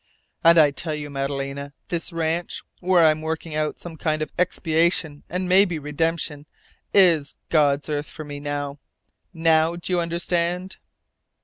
"And I tell you, Madalena, this ranch, where I'm working out some kind of expiation and maybe redemption, is God's earth for me. Now do you understand?"